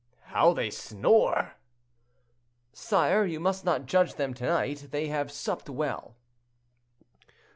"How they snore!" "Sire, you must not judge them to night; they have supped well."